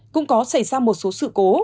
cũng có xảy ra một số sự cố